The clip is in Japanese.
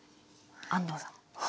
安藤さんは？